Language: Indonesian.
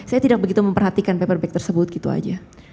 saya tidak begitu memperhatikan paperback tersebut gitu aja